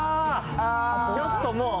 ちょっともう。